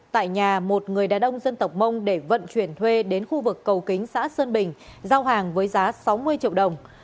tại nhà một người đàn ông dân tộc mông để vận chuyển thuê đến khu vực cầu kính xã sơn bình giao hàng với giá sáu mươi triệu đồng